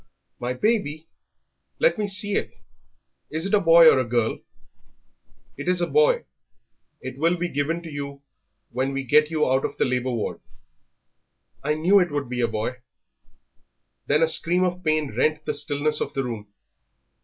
"My baby! Let me see it; is it a boy or a girl?" "It is a boy; it will be given to you when we get you out of the labour ward." "I knew it would be a boy." Then a scream of pain rent the stillness of the room.